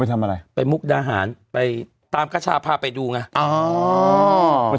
ทำอะไรไปมุกดาหารไปตามกระชาพาไปดูไง